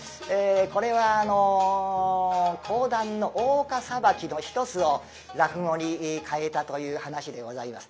これはあの講談の大岡裁きの一つを落語に替えたという噺でございます。